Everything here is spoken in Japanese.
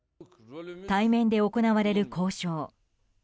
対面で行われる交渉。